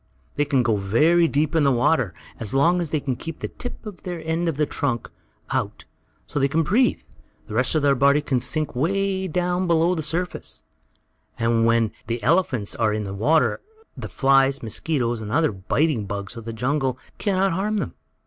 They can go in very deep water, and as long as they can keep the tip end of their trunk out, so they can breathe, the rest of their body can sink away down below the surface. And when the elephants are in the water the flies, mosquitoes and other biting bugs of the jungle can not harm them.